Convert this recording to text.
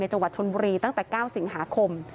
จังหวัดชนบุรีตั้งแต่๙สิงหาคม